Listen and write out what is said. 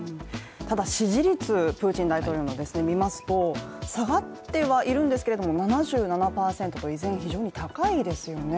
ただ、プーチン氏の支持率見ますと、下がってはいるんですけれども、７７％と依然、非常に高いですよね。